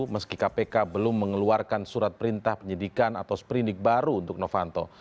meski kpk belum mengeluarkan surat perintah penyidikan atau seperindik baru untuk novanto